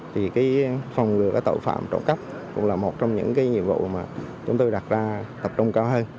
thì phòng ngừa các tội phạm trộm cắp cũng là một trong những nhiệm vụ mà chúng tôi đặt ra tập trung cao hơn